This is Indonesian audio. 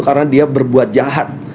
karena dia berbuat jahat